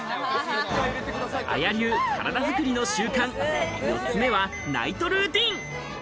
ＡＹＡ流、体づくりの習慣、４つ目はナイトルーティン。